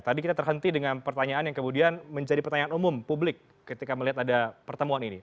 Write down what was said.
tadi kita terhenti dengan pertanyaan yang kemudian menjadi pertanyaan umum publik ketika melihat ada pertemuan ini